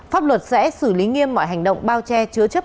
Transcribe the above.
pháp luật sẽ xử lý nghiêm mọi hành động bao che